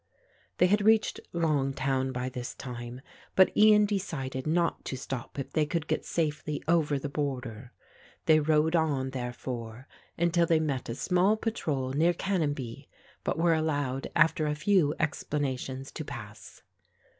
They had reached Longtown by this time, but Ian decided not to stop if they could get safely over the border. They rode on, therefore, until they met a small patrol near Canonbie but were allowed after a few explanations to pass.